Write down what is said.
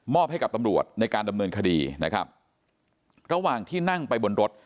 ให้กับตำรวจในการดำเนินคดีนะครับระหว่างที่นั่งไปบนรถ